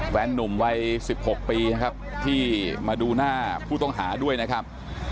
นุ่มวัย๑๖ปีนะครับที่มาดูหน้าผู้ต้องหาด้วยนะครับ